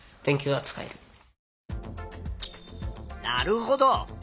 なるほど。